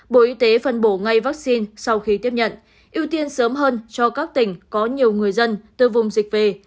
bộ y tế phân bổ ngay vaccine sau khi tiếp nhận ưu tiên sớm hơn cho các tỉnh có nhiều người dân từ vùng dịch về